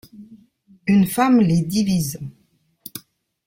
Une femme les divise...